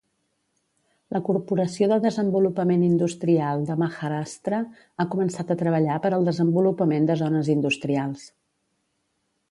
La Corporació de Desenvolupament Industrial de Maharashtra ha començat a treballar per al desenvolupament de zones industrials.